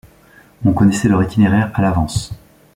On connaissait leur itinéraire à l'avance.